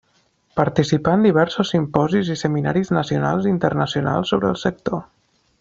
Participà en diversos simposis i seminaris nacionals i internacionals sobre el sector.